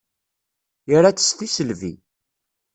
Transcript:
Ira-tt s tisselbi.